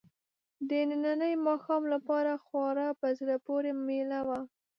د ننني ماښام لپاره خورا په زړه پورې مېله وه.